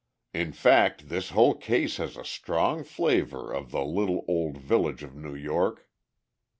"In fact, this whole case has a strong flavor of the little old village of New York."